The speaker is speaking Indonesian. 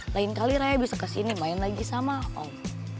lain kali raya bisa kesini main lagi sama om